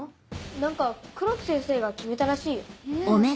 ・・何か黒木先生が決めたらしいよ・・え